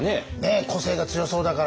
個性が強そうだから。